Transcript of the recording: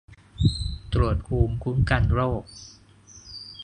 ตรวจภูมิคุ้มกันโรค